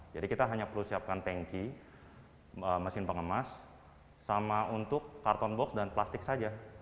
jadi kita hanya perlu siapkan tanki mesin pengemas sama untuk karton box dan plastik saja